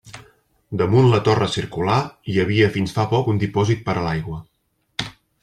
Damunt la torre circular hi havia fins fa poc un dipòsit per a l'aigua.